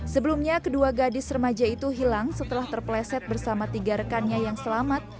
sebelumnya kedua gadis remaja itu hilang setelah terpleset bersama tiga rekannya yang selamat